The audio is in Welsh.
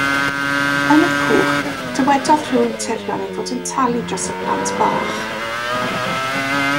Yn y cwch dywedodd rhywun tirion ei fod yn talu dros y plant bach.